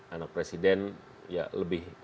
anak presiden ya lebih